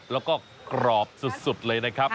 แล้วก็กรอบสุดเลยนะครับ